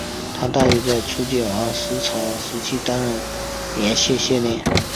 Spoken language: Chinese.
他大约在楚简王时期担任圉县县令。